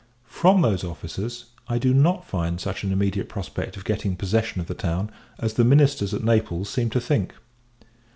From those officers, I do not find such an immediate prospect of getting possession of the town as the ministers at Naples seem to think.